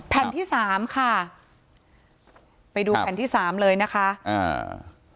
แผ่นที่สามค่ะไปดูแผ่นที่สามเลยนะคะอ่า